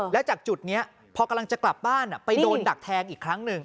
แล้วจากจุดนี้พอกำลังจะกลับบ้านไปโดนดักแทงอีกครั้งหนึ่ง